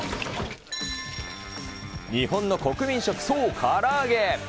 日本の国民食、そう、から揚げ。